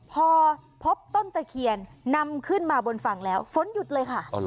พอพบต้นตะเคียนนำขึ้นมาบนฝั่งแล้วฝนหยุดเลยค่ะ